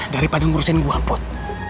daripada ngurusin gue put